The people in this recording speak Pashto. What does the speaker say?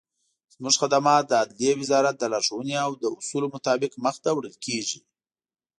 زموږخدمات دعدلیي وزارت دلارښووني او داصولو مطابق مخته وړل کیږي.